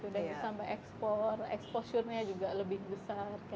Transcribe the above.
dari sampai ekspor exposure nya juga lebih besar kayak gitu